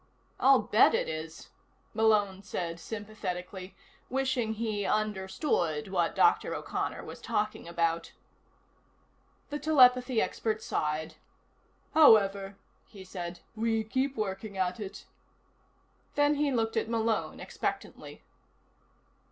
"I'll bet it is," Malone said sympathetically, wishing he understood what Dr. O'Connor was talking about. The telepathy expert sighed. "However," he said, "we keep working at it." Then he looked at Malone expectantly.